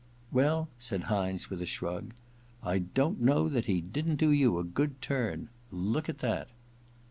* Well,' said Hynes, with a shrug, * I don't know that he didn't do you a good turn. Look at that